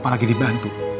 dia lagi dibantu